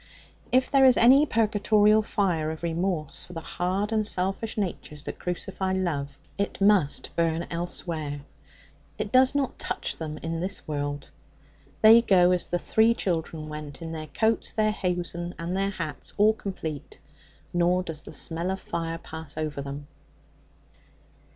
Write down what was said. If there is any purgatorial fire of remorse for the hard and selfish natures that crucify love, it must burn elsewhere. It does not touch them in this world. They go as the three children went, in their coats, their hosen, and their hats all complete, nor does the smell of fire pass over them.